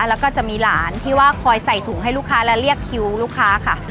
แล้วก็จะมีหลานที่ว่าคอยใส่ถุงให้ลูกค้าและเรียกคิวลูกค้าค่ะ